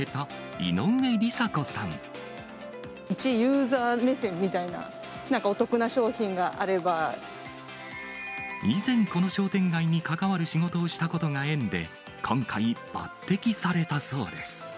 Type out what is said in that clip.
いちユーザー目線みたいな、以前この商店街に関わる仕事をしたことが縁で、今回、抜てきされたそうです。